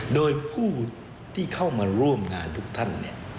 โดยผู้ที่เข้ามาร่วมงานทุกท่าน